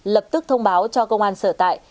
lập tức thông báo cho công an sở tại